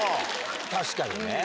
確かにね。